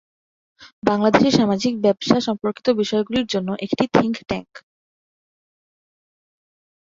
বাংলাদেশের সামাজিক ব্যবসা সম্পর্কিত বিষয়গুলির জন্য একটি থিঙ্ক ট্যাঙ্ক।